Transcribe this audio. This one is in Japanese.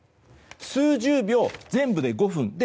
数十秒、全部で５分。